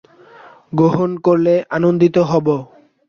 গ্রহণ করলে আনন্দিত হব।